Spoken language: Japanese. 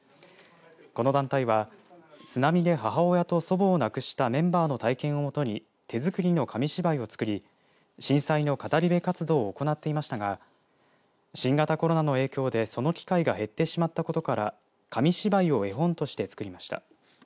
この団体は津波で母親と祖母を亡くしたメンバーの体験をもとに手作りの紙芝居を作り震災の語り部活動を行っていましたが新型コロナの影響でその機会が減ってしまったことから紙芝居を絵本として作りました。